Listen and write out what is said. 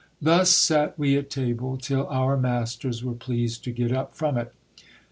Thus sat we at table till our masters were pleased to get up from it.